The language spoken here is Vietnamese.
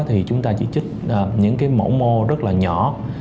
thì chúng ta chỉ trích những cái mẫu mô rất là nhỏ